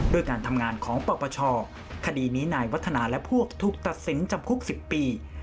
ด้วยการทำงานของปปชคดีนี้นายวัฒนาและพวกถูกตัดสินจำคุก๑๐ปี